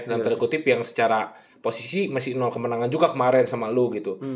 dan terkutip yang secara posisi masih nol kemenangan juga kemarin sama lu gitu